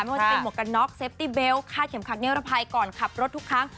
ว่าจะเป็นหมวกกันน็อกเซฟตี้เบลคาดเข็มขัดนิรภัยก่อนขับรถทุกครั้ง